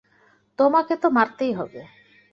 তোমাকে তো মারতেই হবে।